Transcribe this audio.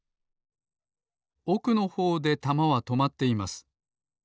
おくのほうでたまはとまっています。